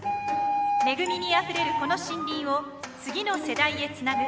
恵みにあふれるこの森林を次の世代へつなぐ。